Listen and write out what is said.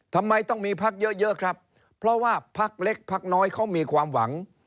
ทำไมต้องมีพักเยอะเยอะครับเพราะว่าพักเล็กพักน้อยเขามีความหวัง